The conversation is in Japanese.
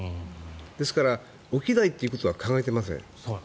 ですから、起きないということは考えてません。